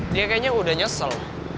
dia kayaknya udah nyesel